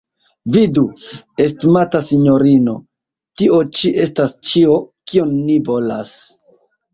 Vidu, estimata sinjorino, tio ĉi estas ĉio, kion ni volas!